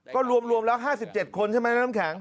ก็รวมแล้ว๕๗คนใช่ไหมน้ำแข็ง